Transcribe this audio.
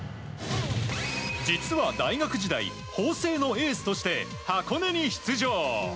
実は、大学時代法政のエースとして箱根に出場。